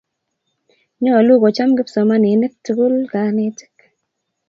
Nyolu kocham kipsomaninik tukul kanetik